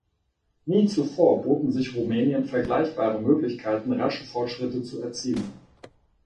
Nie zuvor boten sich Rumänien vergleichbare Möglichkeiten, rasche Fortschritte zu erzielen.